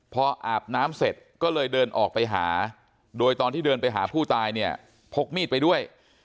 พออาบน้ำเสร็จก็เลยเดินออกไปหาโดยตอนที่เดินไปหาผู้ตายเนี่ยพกมีดไปด้วย